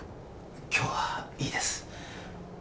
今日はいいです。